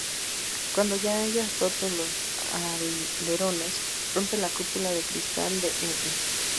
Cuando ya hayas roto los alerones, rompe la cúpula de cristal de Erwin.